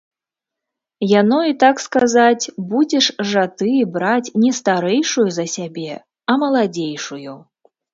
Яно і так сказаць, будзеш жа ты браць не старэйшую за сябе, а маладзейшую.